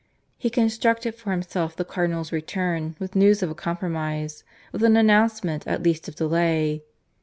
He constructed for himself the Cardinal's return with news of a compromise, with an announcement at least of delay.